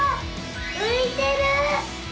ういてる！